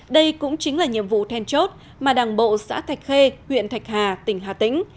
đây cũng chính là nhiệm vụ then chốt mà đảng bộ xã thạch khê huyện thạch hà tỉnh hà tĩnh